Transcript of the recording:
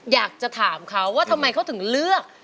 อยากจะถามเขาว่าทำไมเขาถึงเลือก